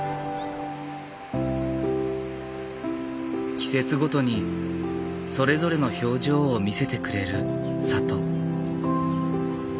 季節ごとにそれぞれの表情を見せてくれる里。